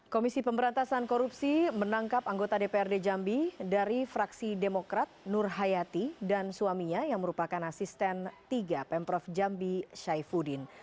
komisi pemberantasan korupsi menangkap anggota dprd jambi dari fraksi demokrat nur hayati dan suaminya yang merupakan asisten tiga pemprov jambi syaifuddin